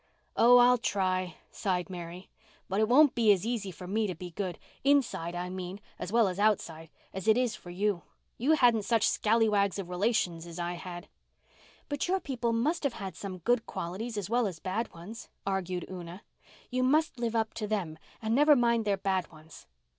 "Oh, I'll try," sighed Mary. "But it won't be as easy for me to be good—inside, I mean, as well as outside—as it is for you. You hadn't such scalawags of relations as I had." "But your people must have had some good qualities as well as bad ones," argued Una. "You must live up to them and never mind their bad ones."